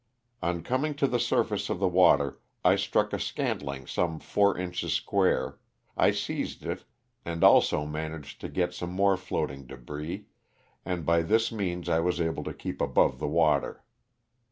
On coming to the surface of the water I struck a scantling some four inches square, I seized it and also managed to get some LOSS OF THE SULTANA. 71 more floating debris, and by this means I was able to keep above the water.